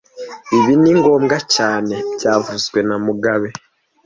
Ibi ni ngombwa cyane byavuzwe na mugabe